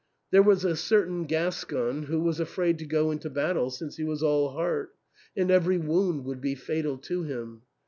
There was a certain Gascon who was afraid to go into battle since he was all heart, and every wound would be fatal to him.